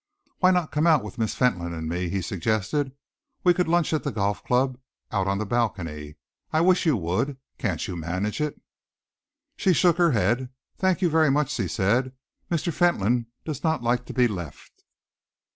"Why not come out with Miss Fentolin and me?" he suggested. "We could lunch at the Golf Club, out on the balcony. I wish you would. Can't you manage it?" She shook her head. "Thank you very much," she said. "Mr. Fentolin does not like to be left."